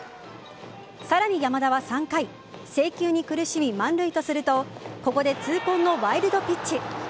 さらに山田は３回制球に苦しみ、満塁とするとここで痛恨のワイルドピッチ。